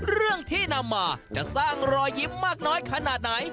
เรื่องที่นำมาจะสร้างรอยยิ้มมากน้อยขนาดไหน